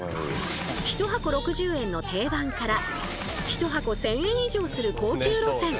１箱６０円の定番から１箱１，０００円以上する高級路線。